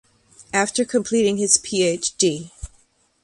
After completing his PhD.